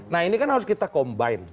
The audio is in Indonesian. nah ini kan harus kita combine